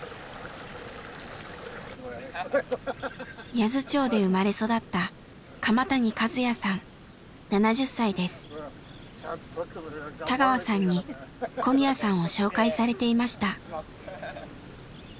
八頭町で生まれ育った田川さんに小宮さんを紹介されていました。